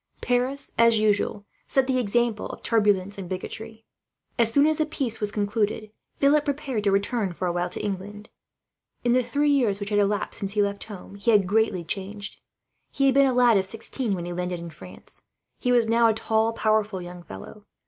Paris, as usual, set the example of turbulence and bigotry. As soon as the peace was concluded, Philip prepared to return for a while to England. In the three years which had elapsed since he left home, he had greatly changed. He had been a lad of sixteen when he landed in France. He was now a tall, powerful young fellow.